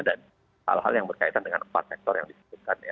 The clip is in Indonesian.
dan hal hal yang berkaitan dengan empat sektor yang disebutkan